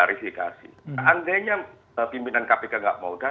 ini yang sangat menarik untuk